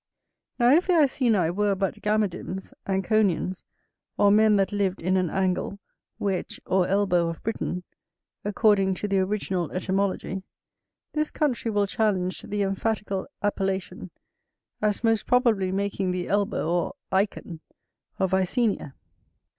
Now if the Iceni were but Gammadims, Anconians, or men that lived in an angle, wedge, or elbow of Britain, according to the original etymology, this country will challenge the emphatical appellation, as most properly making the elbow or iken of Icenia.